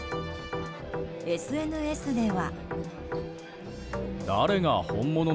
ＳＮＳでは。